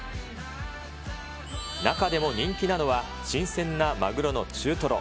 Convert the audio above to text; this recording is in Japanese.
中でも人気なのは、新鮮なマグロの中トロ。